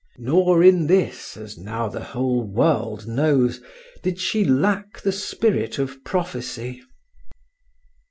Nor in this, as now the whole world knows, did she lack the spirit of prophecy.